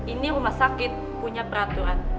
ini rumah sakit punya peraturan